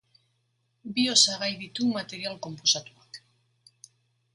Bi osagai ditu material konposatuak.